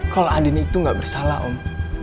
kalo andin itu enggak bersalah om